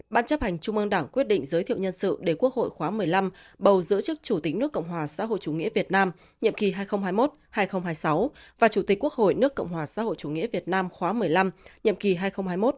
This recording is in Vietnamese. ban chấp hành trung ương đảng quyết định giới thiệu nhân sự để quốc hội khóa một mươi năm bầu giữ chức chủ tịch nước cộng hòa xã hội chủ nghĩa việt nam nhiệm kỳ hai nghìn hai mươi một hai nghìn hai mươi sáu và chủ tịch quốc hội nước cộng hòa xã hội chủ nghĩa việt nam khóa một mươi năm nhiệm kỳ hai nghìn hai mươi một hai nghìn hai mươi một